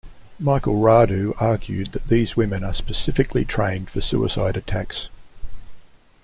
Michael Radu argued that these women are specifically trained for suicide attacks.